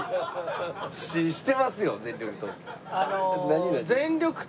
してますよ全力投球。